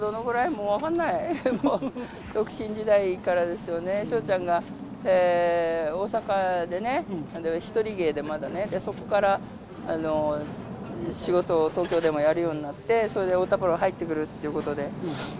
もう分かんない、独身時代からですよね、笑ちゃんが大阪でね、一人芸でまだね、そこから仕事を東京でもやるようになって、それで太田プロ入ってくるということで。